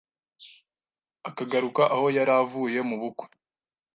akagaruka aho yari avuye mu bukwe